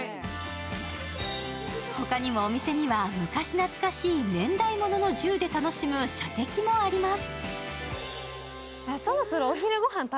他にもお店には昔懐かしい年代物の銃で楽しむ射的もあります。